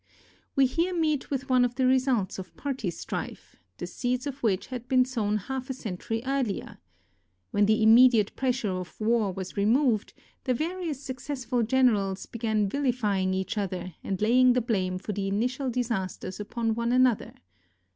271 KOREA We here meet with one of the results of party strife, the seeds of which had been sown half a century earlier. When the immediate pressure of war was removed, the various successful generals began vilifying each other and laying the blame for the initial disasters upon one another.